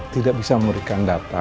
tidak bisa memberikan data